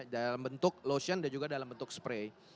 dalam bentuk lotion dan juga dalam bentuk spray